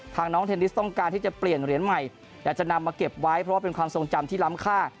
น้องเทนนิสต้องการที่จะเปลี่ยนเหรียญใหม่แต่จะนำมาเก็บไว้เพราะว่าเป็นความทรงจำที่ล้ำค่า